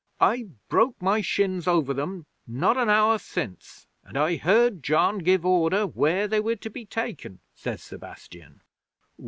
'"I broke my shins over them not an hour since, and I heard John give order where they were to be taken," says Sebastian.